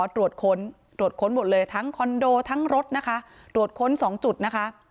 ตรวจค้น๒จุดนะคะ